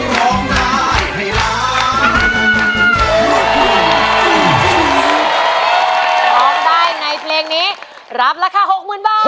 ร้องได้ในเพลงนี้รับราคา๖๐๐๐๐บาท